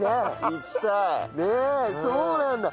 そうなんだ。